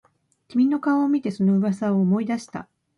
君の顔を見てその噂を思い出した